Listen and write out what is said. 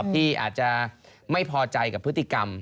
ที่อาจจะไม่พอใจกับพฤติกรรม